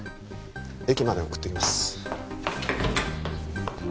駅まで送ってきます